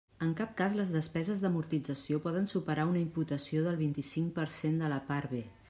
En cap cas les despeses d'amortització poden superar una imputació del vint-i-cinc per cent de la Part B.